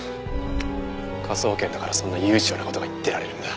科捜研だからそんな悠長な事が言ってられるんだ。